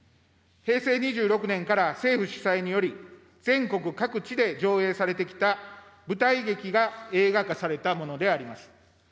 平成２６年から政府主催により、全国各地で上映されてきた舞台劇が映画化されたものであります。